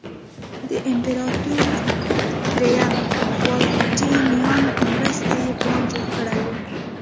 د امپراتور درېیم والنټیناین په مرسته یې پلان جوړ کړی و